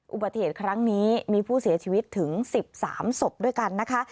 อุบัติเหตุครั้งนี้มีผู้เสียชีวิตถึง๑๓ศพด้วยกันนะคะ